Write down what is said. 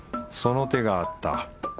その手があった。